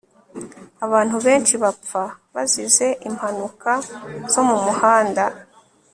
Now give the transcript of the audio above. Abantu benshi bapfa bazize impanuka zo mumuhanda